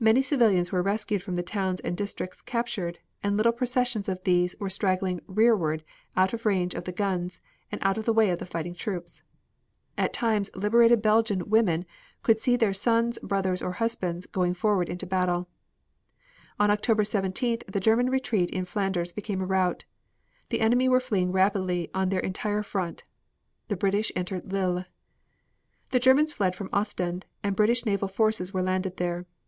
Many civilians were rescued from the towns and districts captured, and little processions of these were straggling rearward out of range of the guns, and out of the way of the fighting troops. At times liberated Belgian women could see their sons, brothers or husbands going forward into battle. On October 17th the German retreat in Flanders became a rout. The enemy were fleeing rapidly on their entire front. The British entered Lille. The Germans fled from Ostend and British naval forces were landed there.